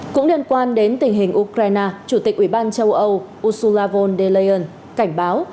cũng liên quan đến tình hình ukraine chủ tịch ub châu âu ursula von der leyen cảnh báo